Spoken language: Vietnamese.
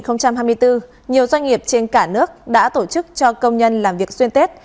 nhiều doanh nghiệp trên cả nước đã tổ chức cho công nhân làm việc xuyên tết